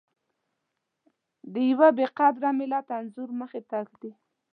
د يوه بې قدره ملت انځور مخې ته ږدي.